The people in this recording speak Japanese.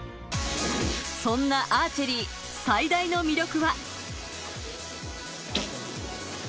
そんなアーチェリー、最大の魅力は。